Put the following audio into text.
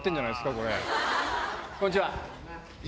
こんにちは。